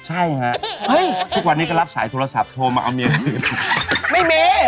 ใช่ฮะทุกวันนี้ก็รับสายโทรศัพท์โทรมาเอาเมียคนอื่นไม่มี